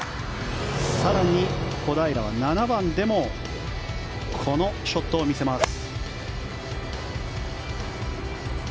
更に、小平は７番でもこのショットを見せます。